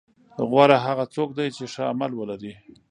غوره هغه څوک دی چې ښه عمل ولري.